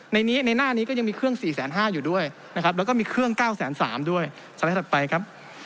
ในหน้านี้ก็ยังมีเครื่อง๔๕๐๐อยู่ด้วยนะครับแล้วก็มีเครื่อง๙๓๐๐ด้วยสไลด์ถัดไปครับ